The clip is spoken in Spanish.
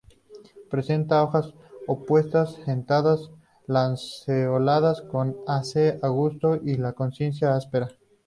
Presenta hojas opuestas, sentadas, lanceoladas con ápice agudo y de consistencia aspera.